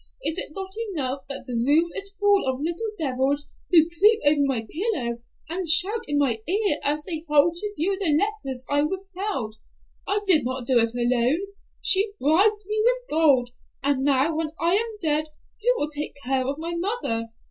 Is it not enough that the room is full of little devils who creep over my pillow, and shout in my ear as they hold to view the letters I withheld? I did not do it alone. She bribed me with gold, and now when I am dead, who will take care of my mother?